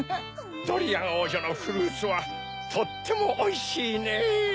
ドリアンおうじょのフルーツはとってもおいしいねぇ。